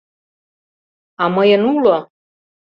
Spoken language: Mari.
А мыйын — уло!